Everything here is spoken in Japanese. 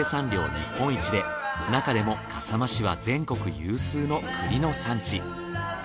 日本一でなかでも笠間市は全国有数の栗の産地。